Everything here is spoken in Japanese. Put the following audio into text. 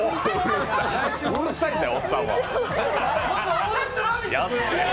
うるさいわ、おっさんは。